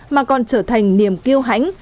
mà còn trở thành niềm kêu hãnh